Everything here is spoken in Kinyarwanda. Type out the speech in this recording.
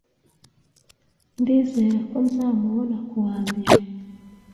Ndizera ko nzamubona kuwa mbere.